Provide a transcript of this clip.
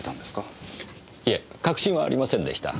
いえ確信はありませんでした。